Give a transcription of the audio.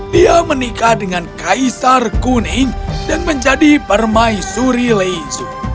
dia menikah dengan kaisar kuning dan menjadi permaisuri leisu